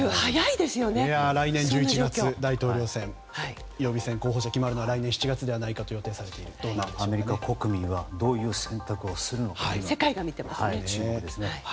来年１１月予備選候補者が決まるのは来年７月ではないかとアメリカ国民はどういう選択をするのか注目ですね。